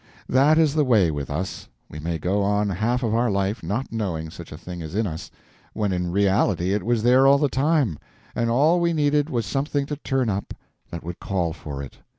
That is the way with us; we may go on half of our life not knowing such a thing is in us, when in reality it was there all the time, and all we needed was something to turn up that would call for it.